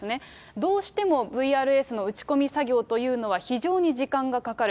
どうしてもＶＲＳの打ち込み作業というのは非常に時間がかかる。